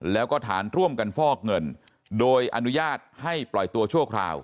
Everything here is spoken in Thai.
แล้วก็ฐานร่วมกันฟอกเงินโดยอนุญาตให้ปล่อยตัวชั่วคราว